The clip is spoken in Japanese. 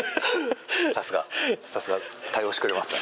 さすがさすが対応してくれますね。